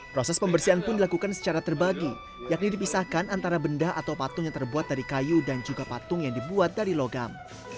proses pembersihan pun dilakukan secara terbagi yakni dipisahkan antara benda atau patung yang terbuat dari kayu dan juga patung yang dibuat dari logam